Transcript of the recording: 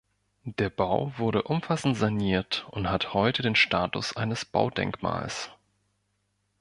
Der Bau wurde umfassend saniert und hat heute den Status eines Baudenkmals.